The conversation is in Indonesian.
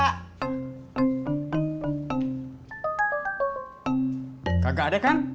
kakak ada kan